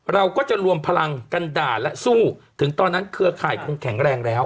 เราก็จะรวมพลังกันด่าและสู้ถึงตอนนั้นเครือข่ายคงแข็งแรงแล้ว